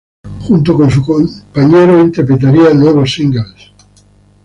Junto con su compañero interpretaría nuevos singles.